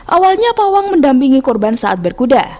awalnya pawang mendampingi korban saat berkuda